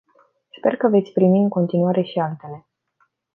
Sper că veți primi în continuare și altele.